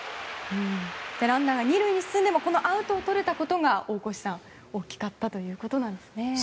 ランナーが２塁に進んでもアウトをとれたことが大越さん、大きかったということなんですね。